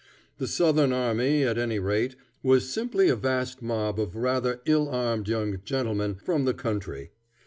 The Southern army, at any rate, was simply a vast mob of rather ill armed young gentlemen from the country.